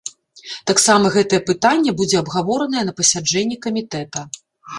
Таксама гэтае пытанне будзе абгаворанае на пасяджэнні камітэта.